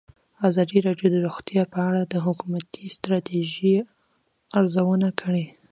ازادي راډیو د روغتیا په اړه د حکومتي ستراتیژۍ ارزونه کړې.